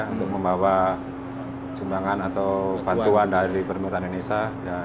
untuk membawa jumbangan atau bantuan dari pemerintah indonesia